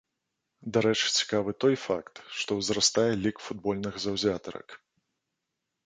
Дарэчы, цікавы той факт, што ўзрастае лік футбольных заўзятарак.